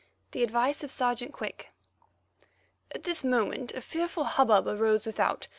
THE ADVICE OF SERGEANT QUICK At this moment a fearful hubbub arose without.